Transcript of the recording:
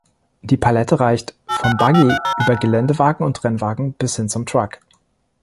Die Palette reicht vom Buggy über Geländewagen und Rennwagen bis hin zum Truck.